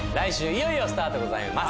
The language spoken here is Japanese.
いよいよスタートでございます